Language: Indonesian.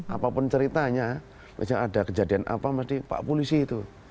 apapun ceritanya misalnya ada kejadian apa mesti pak polisi itu